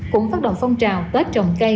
cũng phát động phong trào tết trồng cây